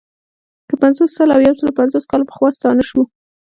که پنځوس، سل او یو سلو پنځوس کاله پخوا ستانه شو.